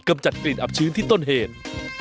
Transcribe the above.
จัดกลิ่นอับชื้นที่ต้นเหตุ